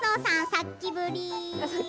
さっきぶり！